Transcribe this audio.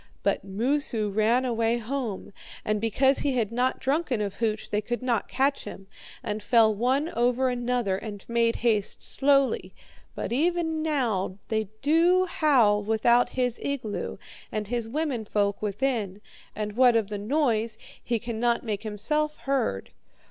But Moosu ran away home, and because he had not drunken of hooch they could not catch him, and fell one over another and made haste slowly. Even now they do howl without his igloo, and his woman folk within, and what of the noise, he cannot make himself heard.'